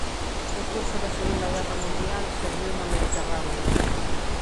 No decurso da Segunda Guerra Mundial serviu no Mediterráneo.